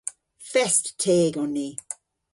Fest teg on ni.